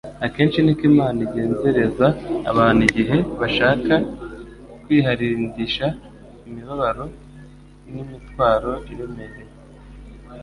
Akenshi niko Imana igenzereza abantu igihe bashaka kwiharidisha imibabaro n'imitwaro iremereye.